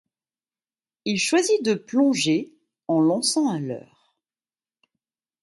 Il choisit de plonger en lançant un leurre.